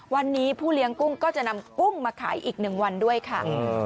วันนี้ผู้เลี้ยงกุ้งก็จะนำกุ้งมาขายอีก๑วันด้วยค่ะ